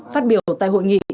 phát biểu tại hội nghị